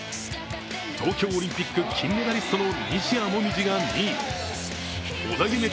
東京オリンピック金メダリストの西矢椛が２位、織田夢